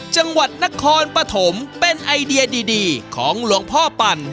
จังหวัดนครปฐมเป็นไอเดียดีของหลวงพ่อปั่น